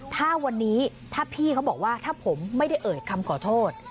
ถ้าวันนี้ถ้าพี่เขาบอกว่าถ้าผมไม่ได้เอ่ยคำขอโทษ